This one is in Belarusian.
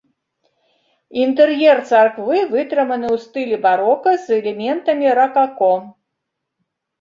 Інтэр'ер царквы вытрыманы ў стылі барока з элементамі ракако.